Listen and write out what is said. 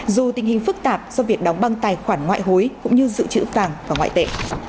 dù tình hình phức tạp do việc đóng băng tài khoản ngoại hối cũng như dự trữ vàng và ngoại tệ